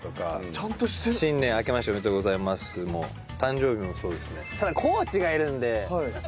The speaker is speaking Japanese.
「新年明けましておめでとうございます」も誕生日もそうですね。